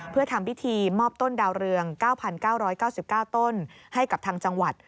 เพื่อทำพิธีมอบต้นดาวเรืองเก้าพันเก้าร้อยเก้าสิบเก้าต้นให้กับทางจังหวัด